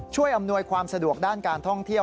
อำนวยความสะดวกด้านการท่องเที่ยว